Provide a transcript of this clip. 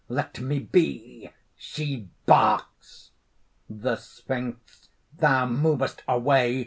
Let me be!" (She barks.) THE SPHINX. "Thou movest away!